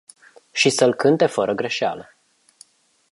Și să-l cânte fără greșeală.